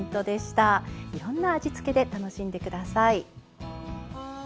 いろんな味付けで楽しんでください。